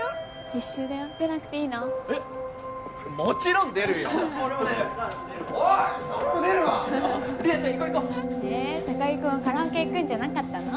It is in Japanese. ええ高木君はカラオケ行くんじゃなかったの？